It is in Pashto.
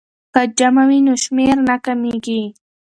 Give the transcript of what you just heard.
که جمع وي نو شمېر نه کمیږي.